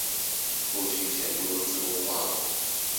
後續全部都自動化了